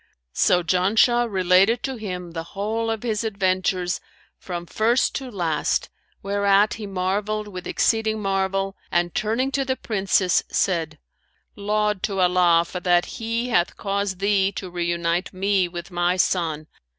So Janshah related to him the whole of his adventures from first to last, whereat he marvelled with exceeding marvel and turning to the Princess, said, 'Laud to Allah for that He hath caused thee to reunite me with my son!